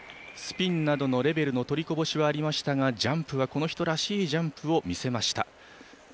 スピンなどのレベルのとりこぼしはありましたがジャンプは、この人らしいジャンプを見せました。